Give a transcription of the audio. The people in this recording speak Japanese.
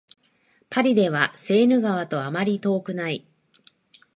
パリではセーヌ川とあまり遠くない